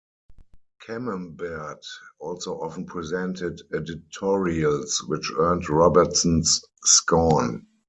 Camembert also often presented editorials, which earned Robertson's scorn.